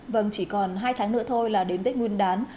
vâng chỉ còn hai tháng nữa thôi là đến tết nguyên đán